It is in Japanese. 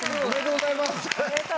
おめでとうございます。